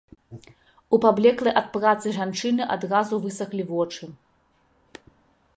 У паблеклай ад працы жанчыны адразу высахлі вочы.